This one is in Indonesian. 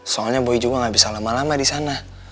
soalnya boy juga nggak bisa lama lama di sana